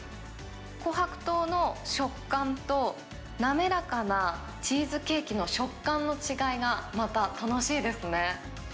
こはく糖の食感と、滑らかなチーズケーキの食感の違いがまた楽しいですね。